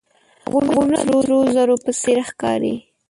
غرونه د سرو زرو په څېر ښکاري